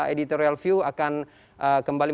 editorial view akan kembali